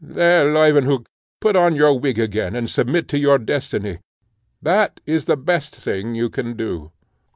There, Leuwenhock, put on your wig again, and submit to your destiny; that is the best thing you can do."